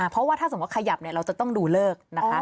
เพราะว่าถ้าสมมุติขยับเนี่ยเราจะต้องดูเลิกนะคะ